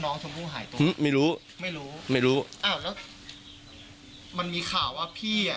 น้องชมภูมิหายไม่รู้ไม่รู้ไม่รู้มันมีข่าวว่าพี่อ่ะ